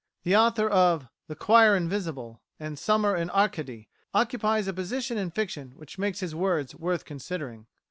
The author of "The Choir Invisible," and "Summer in Arcady," occupies a position in Fiction which makes his words worth considering.